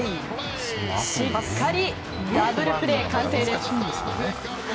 しっかりダブルプレー、完成です。